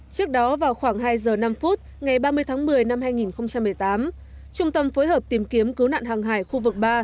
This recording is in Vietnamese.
trước đó vào khoảng hai giờ năm phút ngày ba mươi tháng một mươi năm hai nghìn một mươi tám trung tâm phối hợp tìm kiếm cứu nạn hàng hải khu vực ba